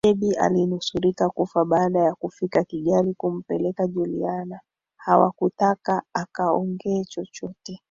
Debby alinusurika kufa baada ya kufika Kigali kumpeleka Juliana hawakutaka akaongee chochote